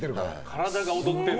体が踊っている。